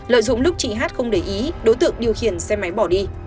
lợi dụng lúc chị hát không để ý đối tượng điều khiển xe máy bỏ đi